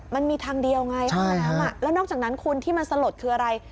มันมีทางเดียวไงห้องน้ำแล้วนอกจากนั้นคุณที่มันสลดคืออะไร